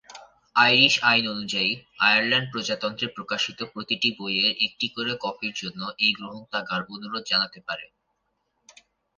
Irish আইন অনুযায়ী, Ireland প্রজাতন্ত্রে প্রকাশিত প্রতিটি বইয়ের একটি করে কপির জন্য এই গ্রন্থাগার অনুরোধ জানাতে পারে।